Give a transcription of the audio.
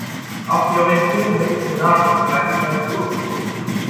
Auch die Orientierung mittels Sonar kommt bereits in der Natur vor.